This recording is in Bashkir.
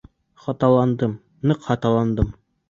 Хаталандым, ныҡ хаталандым!..